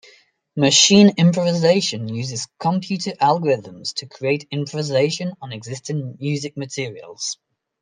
Machine improvisation uses computer algorithms to create improvisation on existing music materials.